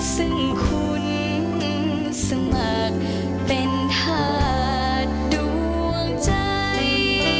ซึ่งคุณสมัครเป็นธาตุดวงใจ